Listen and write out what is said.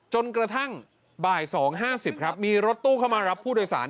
จนกระทั่งบ่าย๒๕๐ครับมีรถตู้เข้ามารับผู้โดยสาร